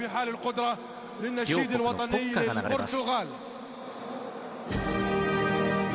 両国の国歌が流れます。